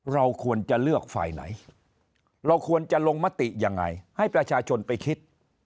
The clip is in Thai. เราควรจะเลือกฝ่ายไหนเราควรจะลงมติยังไงให้ประชาชนไปคิด